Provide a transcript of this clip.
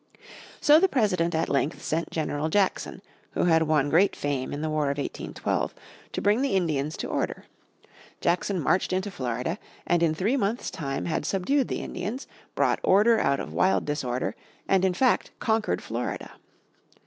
So the President at length sent General Jackson, who had won great fame in the War of 1812, to bring the Indians to order. Jackson marched into Florida, and in three months' time had subdued the Indians, brought order out of wild disorder, and in fact conquered Florida.